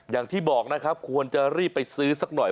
อย่างที่บอกนะครับควรจะรีบไปซื้อสักหน่อย